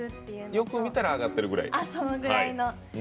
よく見たら上がってるくらい。